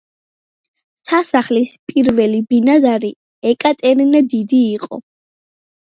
სასახლის პირველი ბინადარი ეკატერინე დიდი იყო.